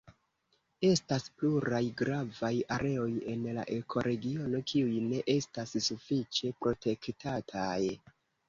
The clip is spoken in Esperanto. Estas pluraj gravaj areoj en la ekoregiono kiuj ne estas sufiĉe protektataj.